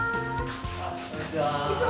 こんにちは。